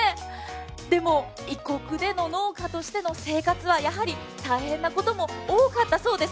でも異国での農家としての生活は大変なことも多かったそうです。